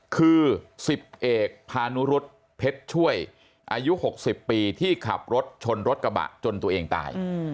คือ๑๐เอกพานุรุษเพชรช่วยอายุ๖๐ปีที่ขับรถชนรถกระบะจนตัวเองตาย